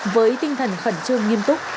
với tinh thần khẩn trương nghiêm túc